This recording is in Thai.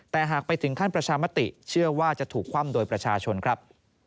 แต่หากไปถึงขั้นประชามติเชื่อว่าจะถูกคว่ำโดยประชาชนครับ